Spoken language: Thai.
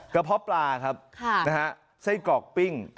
กะพร้อปลาครับไส้กรอกปิ้ง